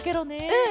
うん！